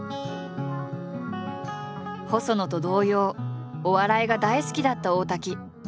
細野と同様お笑いが大好きだった大滝。